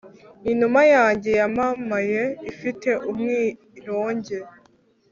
inuma yanjye yamamaye ifite umwironge